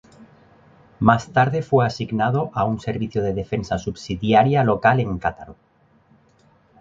Más tarde fue asignado a un servicio de defensa subsidiaria local en Cattaro.